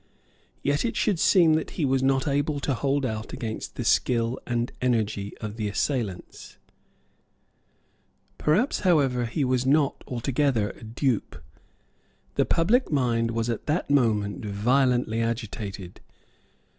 Yet it should seem that he was not able to hold out against the skill and energy of the assailants. Perhaps, however, he was not altogether a dupe. The public mind was at that moment violently agitated.